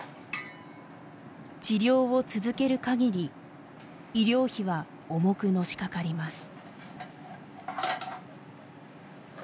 治療を続ける限り医療費は重くのしかかります。